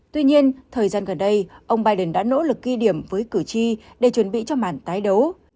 tuy nhiên thời gian gần đây ông biden đã nỗ lực ghi điểm với cử tri để chuẩn bị cho màn tái đấu